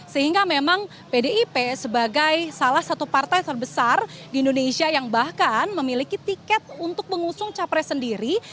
sehingga memang pdip sebagai salah satu partai terbesar di indonesia yang bahkan memiliki tiket untuk mengusung capres sendiri